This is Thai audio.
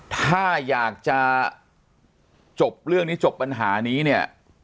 ถ้าอยากจะจบเรื่องนี้จบปัญหานี้เนี่ย